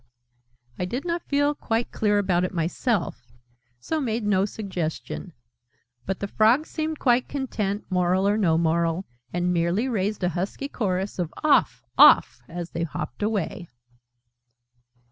I did not feel quite clear about it myself, so made no suggestion: but the Frogs seemed quite content, Moral or no Moral, and merely raised a husky chorus of "Off! Off!" as they hopped away.